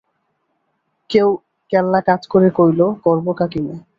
কেউ কেল্লা কাৎ করে কইল, করব কাকীমা।